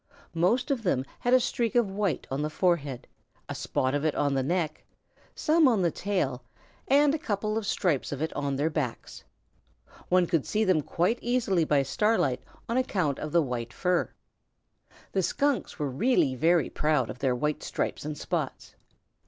Most of them had a streak of white on the forehead, a spot of it on the neck, some on the tail, and a couple of stripes of it on their backs. One could see them quite easily by starlight on account of the white fur. The Skunks were really very proud of their white stripes and spots.